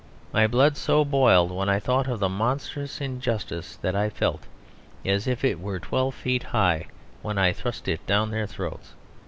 My blood so boiled when I thought of the monstrous injustice that I felt as if I were twelve feet high when I thrust it down their throats."